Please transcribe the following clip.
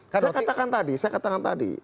karena katakan tadi saya katakan tadi